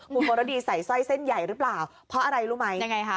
คุณพรดีใส่สร้อยเส้นใหญ่หรือเปล่าเพราะอะไรรู้ไหมยังไงคะ